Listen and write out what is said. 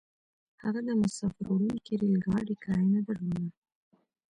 هغه د مساپر وړونکي ريل ګاډي کرايه نه درلوده.